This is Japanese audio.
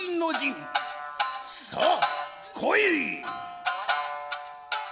「さあ来い！」。